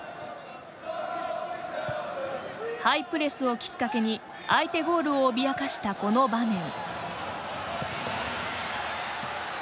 ハイプレスをきっかけに相手ゴールを脅かしたこの場面。